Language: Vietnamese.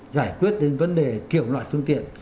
giải quyết đến vấn đề kiểu loại phương tiện